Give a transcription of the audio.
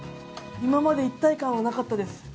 今まで一体感なかったです。